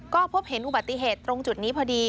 ก็พบเห็นอุบัติเหตุตรงจุดนี้พอดี